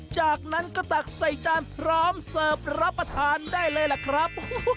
จากนั้นก็ตักใส่จานพร้อมเสิร์ฟรับประทานได้เลยล่ะครับ